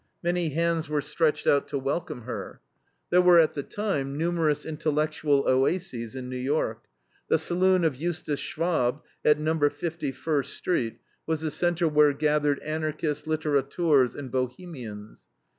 Many hands were stretched out to welcome her. There were at the time numerous intellectual oases in New York. The saloon of Justus Schwab, at Number Fifty, First Street, was the center where gathered Anarchists, litterateurs, and bohemians.